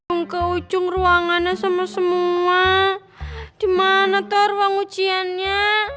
bungka ujung ruangannya semua semua dimana terbang ujiannya